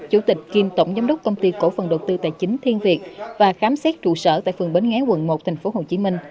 chủ tịch kiêm tổng giám đốc công ty cổ phần đầu tư tài chính thiên việt và khám xét trụ sở tại phường bến nghé quận một tp hcm